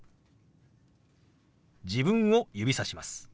自分を指さします。